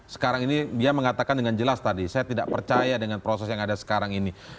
sekarang ini dia mengatakan dengan jelas tadi saya tidak percaya dengan proses yang ada sekarang ini